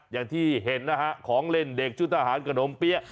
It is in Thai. อย่างที่เห็นนะฮะของเล่นเด็กชุดทหารขนมเปี๊ยะ